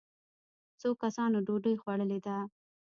څو کسانو ډوډۍ خوړلې ده.